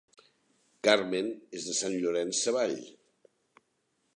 Carmen és de Sant Llorenç Savall